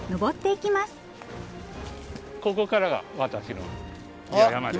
ここからが私のびわ山です。